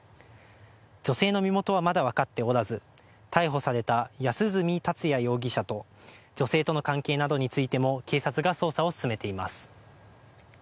女性の身元はまだ分かっておらず、逮捕された安栖達也容疑者と女性との関係などについても警察が捜査を進めています。